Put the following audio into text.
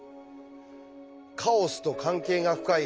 カオスと関係が深い